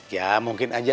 ya mungkin aja